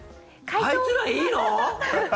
あいつらいいの？